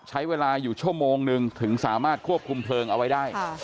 ใช้เวลาอยู่ชั่วโมงนึงถึงสามารถควบคุมเพลิงเอาไว้ได้